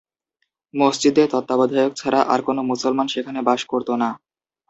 মসজিদের তত্ত্বাবধায়ক ছাড়া আর কোন মুসলমান সেখানে বাস করত না।